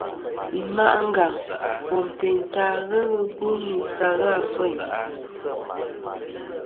Yi ma' njaŋ bom teyn ta ghelɨ bu'nɨ sɨ ghɨ a feyn.